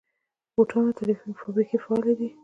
د بوټانو فابریکې فعالې دي؟